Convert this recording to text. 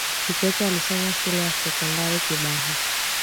kikwete alisoma shule ya sekondari kibaha